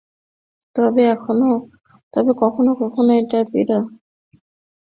তবে কখনও কখনও একটা পিরানও পরা হত।